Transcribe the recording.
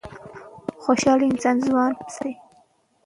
خوشحالي انسان ځوان ساتي.